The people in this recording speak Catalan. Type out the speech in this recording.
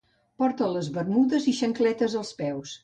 Porta les bermudes i xancletes als peus.